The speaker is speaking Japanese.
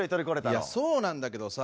いやそうなんだけどさ。